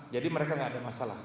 jadi mereka tidak ada masalah